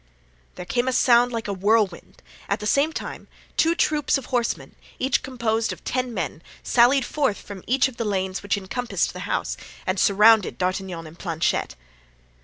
There came a sound like a whirlwind, at the same time two troops of horsemen, each composed of ten men, sallied forth from each of the lanes which encompassed the house and surrounded D'Artagnan and Planchet.